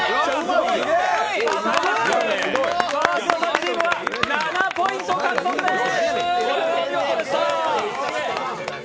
川島チームは７ポイント獲得です。